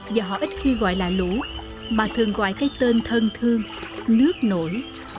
và họ ít khi gọi là lũ mà thường gọi cái tên thân thương nước nổi